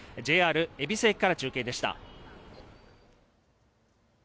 ＪＲ恵比寿駅から中継でした。